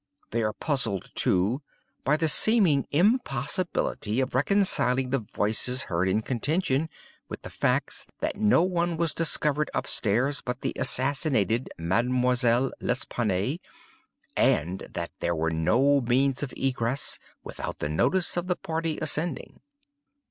They are puzzled, too, by the seeming impossibility of reconciling the voices heard in contention, with the facts that no one was discovered up stairs but the assassinated Mademoiselle L'Espanaye, and that there were no means of egress without the notice of the party ascending.